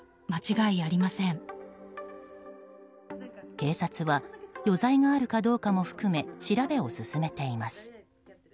警察は余罪があるかどうかも含め調べを進めています。